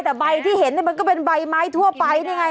แต่ใบที่เห็นมันก็เป็นใบไม้ทั่วไปนี่ไง